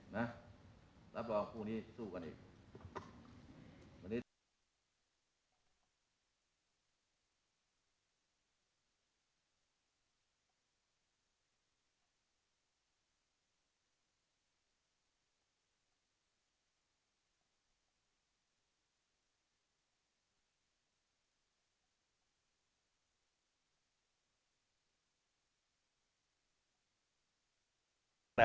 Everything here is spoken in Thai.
แล้วพวกนี้สู้กันอีก